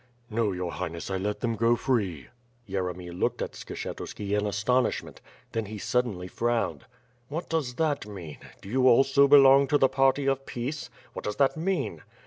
^rNo, your Highness, I let them go free." Yeremy looked at Skshetuski in astonishment; then he suddenly irowned: "What does that mean? Do you also belong to the party of peace? What does that mean?"